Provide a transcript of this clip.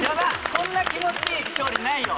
こんな気持ちいい勝利ないよ。